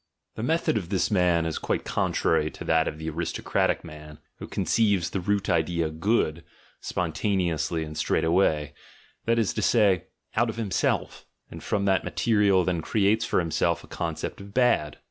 The method of this man is quite contrary to that of the aristocratic man, who conceives the root idea "good" spontaneously and straight away, that is to say, out of ' himself, and from that material then creates for himself a concept of "bad"!